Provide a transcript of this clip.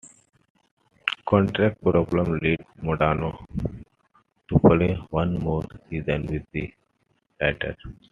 Contract problems lead Modano to play one more season with the Raiders.